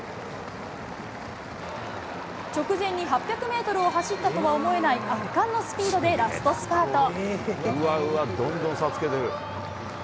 直前に８００メートルを走ったとは思えない圧巻のスピードでラストスパート。